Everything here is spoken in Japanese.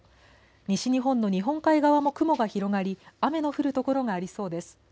西日本の日本海側も雲が広がり雨の降る所がありそうです。